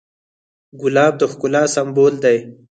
ګلاب د ښکلا سمبول دی.